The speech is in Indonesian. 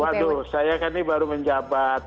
waduh saya kan ini baru menjabat